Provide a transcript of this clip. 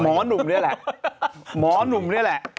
ม้อนุ่มนี่แหละ